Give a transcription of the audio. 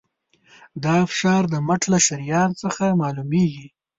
دا فشار د مټ له شریان څخه معلومېږي.